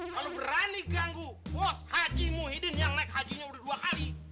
lalu berani ganggu bos haji muhyiddin yang naik hajinya udah dua kali